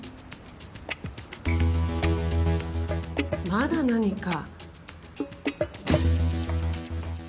まだ何か？